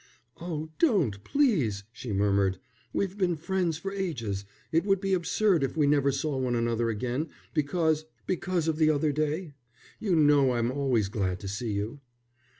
"Oh, don't, please," she murmured, "we've been friends for ages. It would be absurd if we never saw one another again because because of the other day. You know I'm always glad to see you."